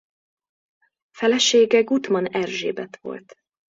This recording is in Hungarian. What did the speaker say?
Felesége Guttmann Erzsébet volt.